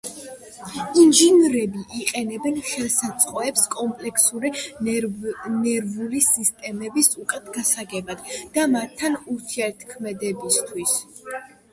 ინჟინრები იყენებენ ხელსაწყოებს კომპლექსური ნერვული სისტემების უკეთ გასაგებად და მათთან ურთიერთქმედებისთვის.